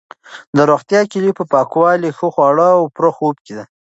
د روغتیا کلي په پاکوالي، ښه خواړه او پوره خوب کې ده.